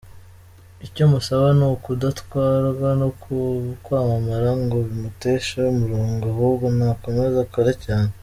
Icyo musaba ni ukudatwarwa no kwamamara ngo bimuteshe umurongo ahubwo nakomeze akore cyane.